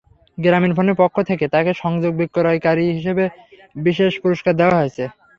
গ্রামীণফোনের পক্ষ থেকে তাঁকে সংযোগ বিক্রয়কারী হিসেবে বিশেষ পুরস্কার দেওয়া হয়েছে।